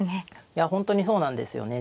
いや本当にそうなんですよね。